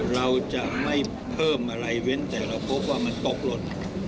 เราจะไม่เพิ่มอะไรเว้นแต่เราพบว่ามันตกหล่น